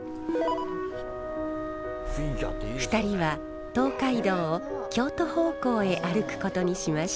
２人は東海道を京都方向へ歩くことにしました。